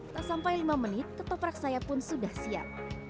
tak sampai lima menit ketoprak saya pun sudah siap